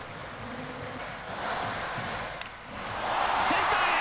センターへ！